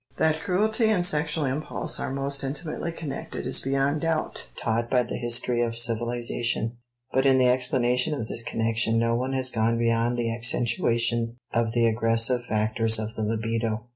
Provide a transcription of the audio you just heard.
That cruelty and sexual impulse are most intimately connected is beyond doubt taught by the history of civilization, but in the explanation of this connection no one has gone beyond the accentuation of the aggressive factors of the libido.